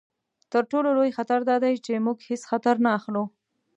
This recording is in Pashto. تر ټولو لوی خطر دا دی چې موږ هیڅ خطر نه اخلو.